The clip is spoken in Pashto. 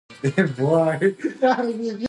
ماته یو نوی مسواک راوړه.